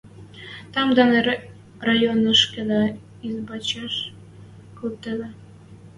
Тӓмдӓн районышкыда избачеш колтевӹ.